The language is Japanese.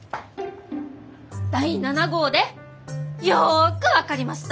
第７号でよく分かりました。